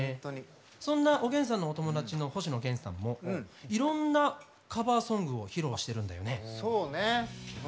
そんな、おげんさんのお友達の星野源さんもいろんなカバーソングを披露しているんだよね。